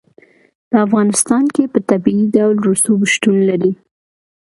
په افغانستان کې په طبیعي ډول رسوب شتون لري.